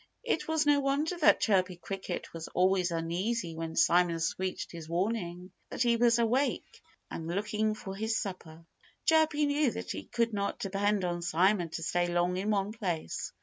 It was no wonder that Chirpy Cricket was always uneasy when Simon screeched his warning that he was awake and looking for his supper. Chirpy knew that he could not depend on Simon to stay long in one place.